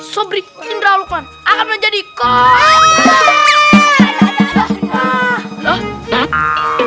sobri indra lukman akan menjadi kod